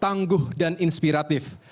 tangguh dan inspiratif